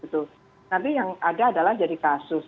nanti yang ada adalah jadi kasus